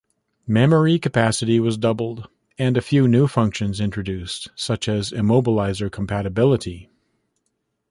Memory capacity was doubled and a few new functions introduced such as immobilizer compatibility.